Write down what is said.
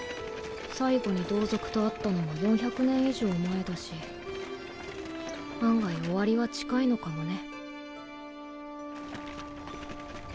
最後に同族と会ったのも４００年以上前だし案外終わりは近いのかもね。